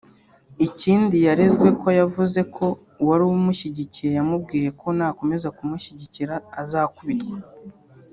Ikindi yarezwe ko yavuze ko uwari umushyigikiye yamubwiye ko nakomeza kumushyigikira azakubitwa